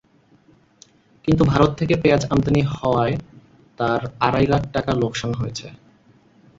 কিন্তু ভারত থেকে পেঁয়াজ আমদানি হওয়ায় তাঁর আড়াই লাখ টাকা লোকসান হয়েছে।